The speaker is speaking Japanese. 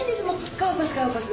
顔パス顔パス。